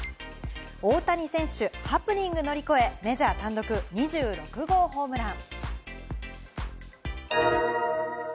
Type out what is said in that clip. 大谷選手、ハプニング乗り越え、メジャー単独２６号ホームラン。